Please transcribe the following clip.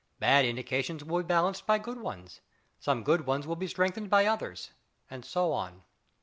Bad indications will be balanced by good ones; some good ones will be strengthened by others, and so on.